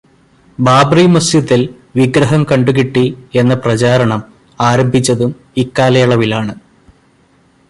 ബാബ്റി മസ്ജിദില് വിഗ്രഹം കണ്ടു കിട്ടി എന്ന പ്രചാരണം ആരംഭിച്ചതും ഇക്കാലയളവിലാണ്.